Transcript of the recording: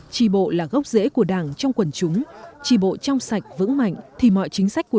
trì bộ là gốc rễ của đảng trong quần chúng trí bộ trong sạch vững mạnh thì mọi chính sách của